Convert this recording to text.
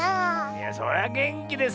いやそりゃげんきですよ。